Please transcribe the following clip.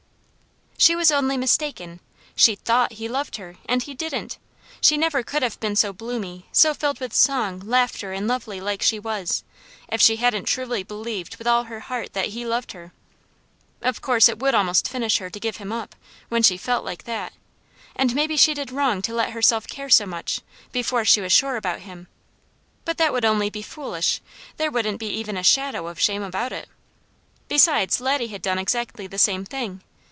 She was only mistaken. She THOUGHT he loved her, and he didn't. She never could have been so bloomy, so filled with song, laughter, and lovely like she was, if she hadn't truly believed with all her heart that he loved her. Of course it would almost finish her to give him up, when she felt like that; and maybe she did wrong to let herself care so much, before she was sure about him; but that would only be foolish, there wouldn't be even a shadow of shame about it. Besides, Laddie had done exactly the same thing.